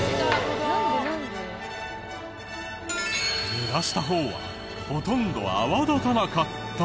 濡らした方はほとんど泡立たなかった。